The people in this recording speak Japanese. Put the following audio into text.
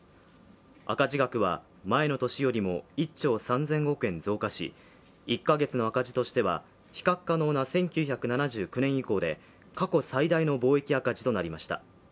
赤字額は前の年よりも１兆３０００億円増加し１か月の赤字としては比較可能な１９７９年以降で過去最大の貿易赤字となりました。